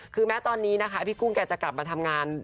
คือแม้ตอนนี้นะคะพี่กุ้งแกจะกลับมาทำงาน